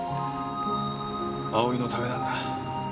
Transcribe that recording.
蒼のためなんだ。